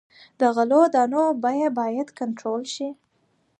د غلو دانو بیه باید کنټرول شي.